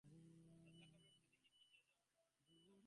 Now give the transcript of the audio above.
লজ্জা করবে বৈকি দিদি, কিন্তু সেজে বেরোতে আরো বেশি লজ্জা করবে।